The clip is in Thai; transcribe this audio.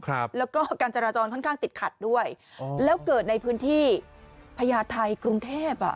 ครับแล้วก็การจราจรค่อนข้างติดขัดด้วยอ๋อแล้วเกิดในพื้นที่พญาไทยกรุงเทพอ่ะ